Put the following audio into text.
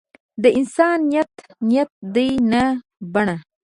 د انسان نیت نیت دی نه بڼه.